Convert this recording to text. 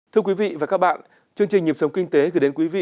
thưa quý vị và các bạn chương trình nhịp sống kinh tế gửi đến quý vị